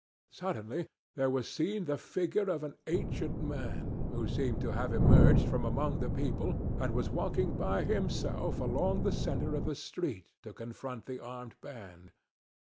Suddenly there was seen the figure of an ancient man who seemed to have emerged from among the people and was walking by himself along the centre of the street to confront the armed band.